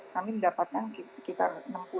kami mendapatkan sekitar